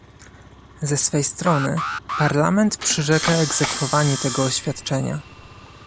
Ze swej strony, Parlament przyrzeka egzekwowanie tego oświadczenia